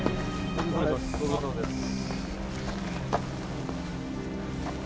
ご苦労さまです。